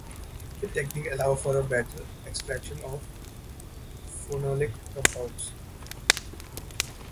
The technique allows for a better extraction of phenolic compounds.